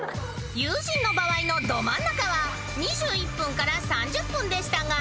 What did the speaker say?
［友人の場合のドマンナカは２１分から３０分でしたが］